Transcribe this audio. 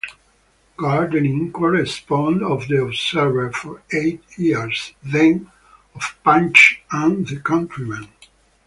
Gardening correspondent of the "Observer" for eight years, then of "Punch" and "The Countryman".